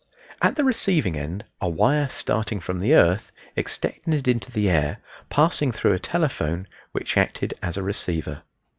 At the receiving end a wire starting from the earth extended into the air, passing through a telephone, which acted as a receiver.